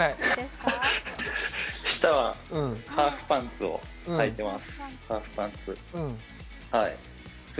下は、ハーフパンツをはいてます。